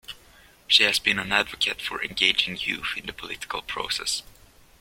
She has been an advocate for engaging youth in the political process.